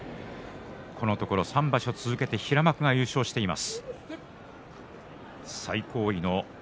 このところ３場所続けて平幕が優勝をしています。